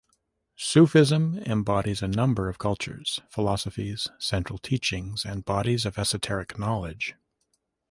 Sufism embodies a number of cultures, philosophies, central teachings and bodies of esoteric knowledge.